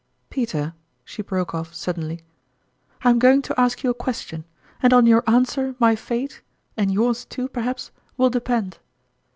... Peter," she broke off suddenly, "I am going to ask you a question, and on your an swer my fate and yours too, perhaps will depend